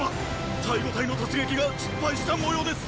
太呉隊の突撃が失敗したもようです！